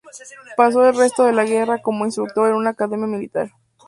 Pasó el resto de la guerra como instructor en una academia militar.